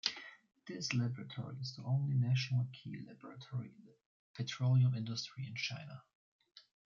This laboratory is the only national key laboratory in the petroleum industry in China.